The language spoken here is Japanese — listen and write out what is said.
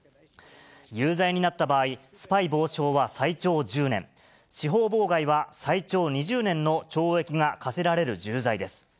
有罪になった場合、スパイ防止法は最長１０年、司法妨害は最長２０年の懲役が科せられる重罪です。